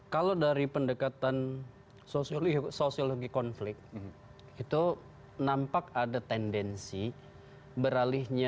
kalau dari pendekatan sosiologi konflik itu nampak ada tendensi beralihnya